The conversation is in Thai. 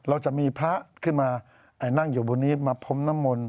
เราจะมีพระขึ้นมานั่งอยู่บนนี้มาพรมน้ำมนต์